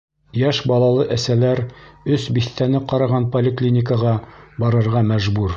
Йәш балалы әсәләр өс биҫтәне ҡараған поликлиникаға барырға мәжбүр.